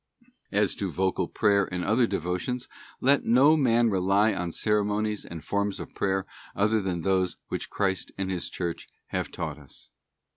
As to vocal prayer and other devotions, let no man rely on ceremonies and forms of prayer other than those which Christ and His Church have taught us.